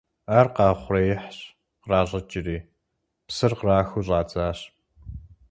Ар къаухъуреихьщ, къращӏыкӏри, псыр кърахыу щӏадзащ.